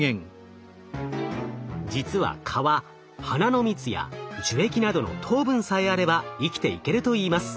実は蚊は花の蜜や樹液などの糖分さえあれば生きていけるといいます。